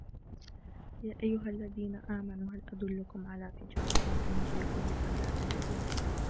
يا أيها الذين آمنوا هل أدلكم على تجارة تنجيكم من عذاب أليم